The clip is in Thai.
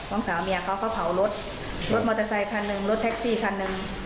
น้องสาวเมียเขาก็เผารถรถมอเตอร์ไซคันหนึ่งรถแท็กซี่คันหนึ่ง